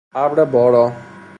ابر بارا